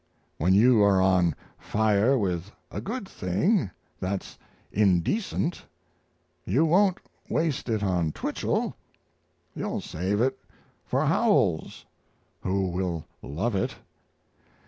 When you are on fire with a good thing that's indecent you won't waste it on Twichell; you'll save it for Howells, who will love it.